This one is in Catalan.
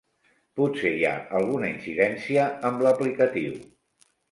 Potser hi ha alguna incidència amb l'aplicatiu.